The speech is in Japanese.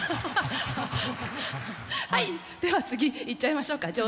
はいでは次いっちゃいましょうか。